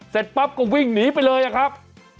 เสร็จปั๊บก็วิ่งหนีไปเลยอะครับ